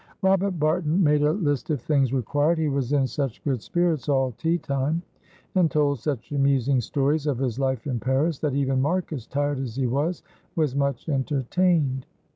Robert Barton made a list of things required. He was in such good spirits all tea time, and told such amusing stories of his life in Paris, that even Marcus, tired as he was, was much entertained.